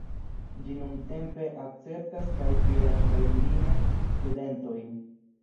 Ĝi nuntempe akceptas kaj virajn kaj virinajn studentojn.